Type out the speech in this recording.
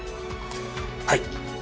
はい！